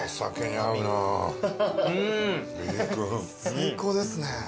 最高ですね。